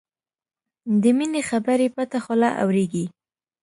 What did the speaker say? د مینې خبرې پټه خوله اورېږي